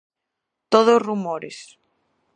Todo rumores.